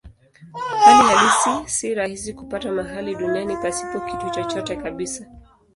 Hali halisi si rahisi kupata mahali duniani pasipo kitu chochote kabisa.